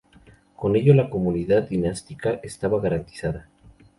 Con ello la continuidad dinástica estaba garantizada.